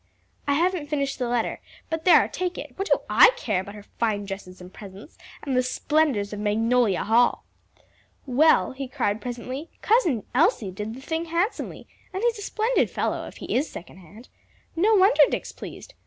"I haven't finished the letter; but there, take it; what do I care about her fine dresses and presents, and the splendors of Magnolia Hall?" "Well," he cried presently, "Cousin Elsie did the thing handsomely! and he's a splendid fellow, if he is second hand. No wonder Dick's pleased.